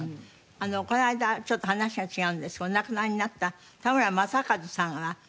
あのこの間ちょっと話が違うんですけどお亡くなりになった田村正和さんは良純さんと？